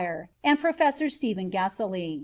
and Professor Stephen Gaselee.